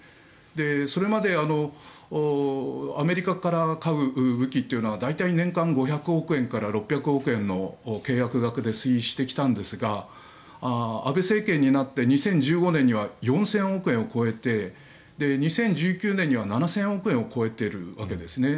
それまでアメリカから買う武器というのは大体、年間５００億円から６００億円の契約額で推移してきたんですが安倍政権になって２０１５年には４０００億円を超えて２０１９年には７０００億円を超えているわけですよね。